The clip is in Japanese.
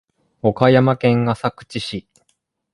岡山県浅口市